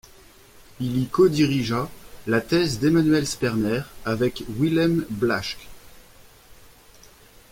Il y codirigea la thèse d'Emanuel Sperner avec Wilhelm Blaschke.